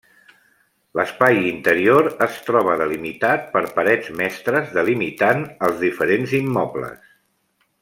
L'espai interior es troba delimitat per parets mestres delimitant els diferents immobles.